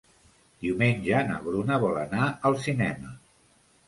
Diumenge na Bruna vol anar al cinema.